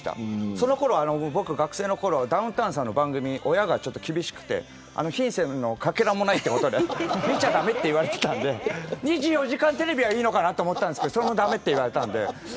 そのころ僕、学生の頃ダウンタウンさんの番組親が厳しくて品性のかけらもないということで見ちゃ駄目と言われていたんで２４時間テレビはいいかと思ったんですけどそれも駄目と言われたんで。